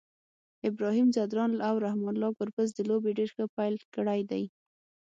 ابراهیم ځدراڼ او رحمان الله ګربز د لوبي ډير ښه پیل کړی دی